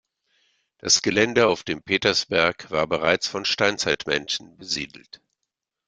Das Gelände auf dem Petersberg war bereits von Steinzeitmenschen besiedelt.